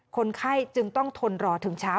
คนไข้จึงต้องทนรอถึงเช้า